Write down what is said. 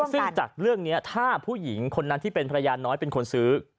ซึ่งจากเรื่องนี้ถ้าผู้หญิงคนนั้นที่เป็นภรรยาน้อยเป็นคนซื้อ